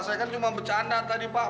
saya kan cuma bercanda tadi pak